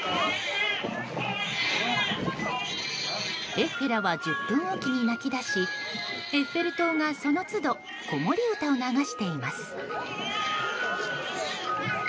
エッフェラは１０分おきに泣き出しエッフェル塔が、その都度子守歌を流しています。